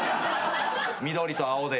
緑と青で。